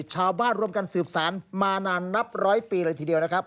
ร่วมกันสืบสารมานานนับร้อยปีเลยทีเดียวนะครับ